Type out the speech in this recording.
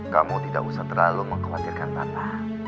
kamu tidak usah terlalu mengkhawatirkan tanah